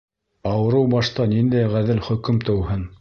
Ауырыу башта ниндәй ғәҙел хөкөм тыуһын!